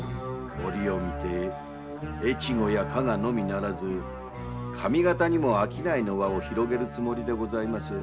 折を見て越後や加賀のみならず上方にも商いの輪を広げるつもりです。